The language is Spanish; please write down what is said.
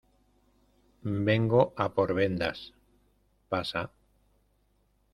vengo a por vendas. pasa .